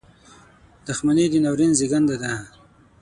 • دښمني د ناورین زیږنده ده.